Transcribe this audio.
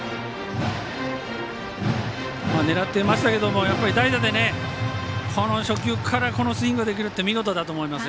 狙ってましたけども代打で、この初球からこのスイングができるって見事だと思います。